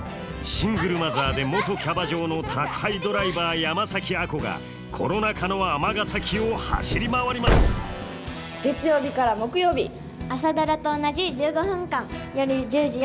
シングルマザーで元キャバ嬢の宅配ドライバー山崎亜子がコロナ禍の尼崎を走り回ります「朝ドラ」と同じ１５分間。